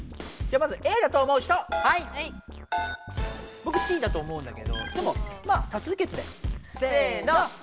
ぼくＣだと思うんだけどでもまあ多数決で。